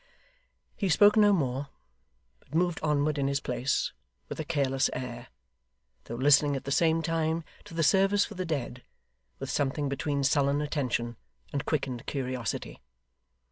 He spoke no more, but moved onward in his place, with a careless air, though listening at the same time to the Service for the Dead, with something between sullen attention, and quickened curiosity.